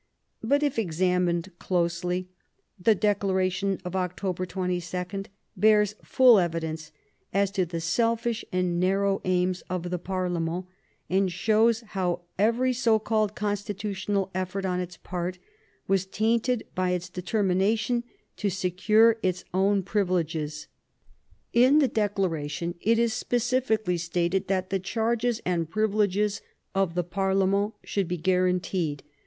But if examined closely the Declaration of October 22 bears full evidence as to the selfish and narrow aims of the parlement, and shows how every so called constitutional efibrt on its part was tainted by its determination to secure its own privi leges. In the Declaration it is specially stated that the charges and privileges of the parlement should be guaranteed.